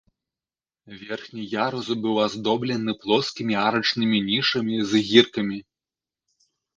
Верхні ярус быў аздоблены плоскімі арачнымі нішамі з гіркамі.